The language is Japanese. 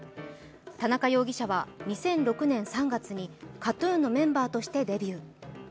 田中容疑者は２００６年３月にＫＡＴ−ＴＵＮのメンバーとしてデビュー。